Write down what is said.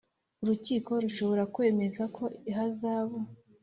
Urukiko rushobora kwemeza ko ihazabu